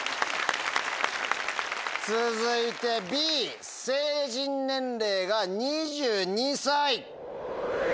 続いてＢ「成人年齢が２２歳」。